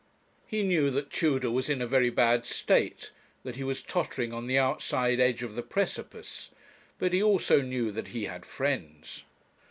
He knew that Tudor was in a very bad state, that he was tottering on the outside edge of the precipice; but he also knew that he had friends.